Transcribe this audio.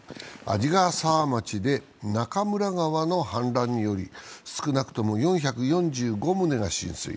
鰺ヶ沢町で中村川の氾濫により、少なくとも４４５棟が浸水。